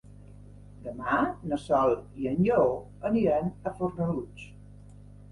Demà na Sol i en Lleó aniran a Fornalutx.